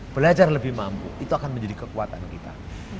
belajar lebih mampu itu akan menjadi kekuatan kita